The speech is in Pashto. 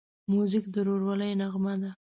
موزیک د ورورولۍ نغمه ده.